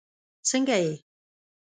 سنګه یی